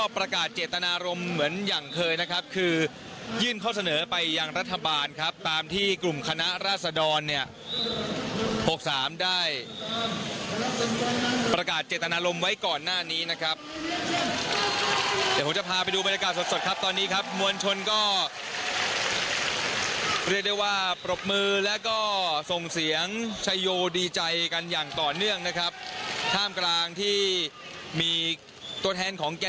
ประกาศเจตนารมณ์เหมือนอย่างเคยนะครับคือยื่นข้อเสนอไปยังรัฐบาลครับตามที่กลุ่มคณะราษดรเนี่ย๖๓ได้ประกาศเจตนารมณ์ไว้ก่อนหน้านี้นะครับเดี๋ยวผมจะพาไปดูบรรยากาศสดสดครับตอนนี้ครับมวลชนก็เรียกได้ว่าปรบมือแล้วก็ส่งเสียงชัยโยดีใจกันอย่างต่อเนื่องนะครับท่ามกลางที่มีตัวแทนของแก่